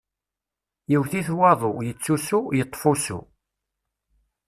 Yewwet-it waḍu, yettusu, yeṭṭef ussu.